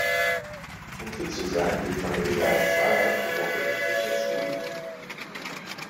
Um fit zu sein geht Manuela zwei mal pro Woche ins Fitnessstudio.